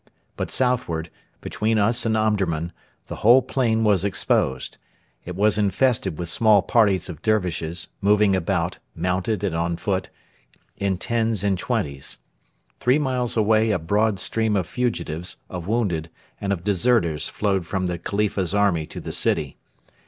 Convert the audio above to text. But southward, between us and Omdurman, the whole plain was exposed. It was infested with small parties of Dervishes, moving about, mounted and on foot, in tens and twenties. Three miles away a broad stream of fugitives, of wounded, and of deserters flowed from the Khalifa's army to the city.